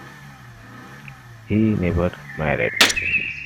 He never married.